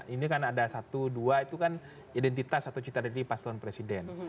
ini kan ada satu dua itu kan identitas atau cita diri paslon presiden